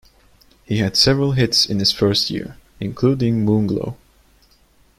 He had several hits in his first year, including Moonglow.